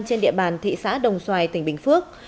trên địa bàn thị xã đồng xoài tỉnh bình phước